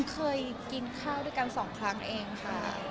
เคยกินข้าวด้วยกัน๒ครั้งเองค่ะ